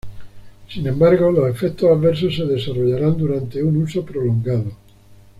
Sin embargo, los efectos adversos se desarrollarán durante un uso prolongado